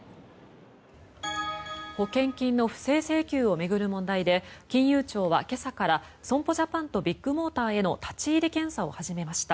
保険金の不正請求を巡る問題で金融庁は今朝から損保ジャパンとビッグモーターへの立ち入り検査を始めました。